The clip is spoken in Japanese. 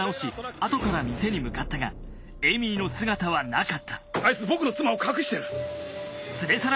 あとから店に向かったがエミーの姿はなかったアイツ僕の妻を隠してる！